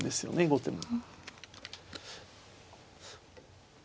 後手も。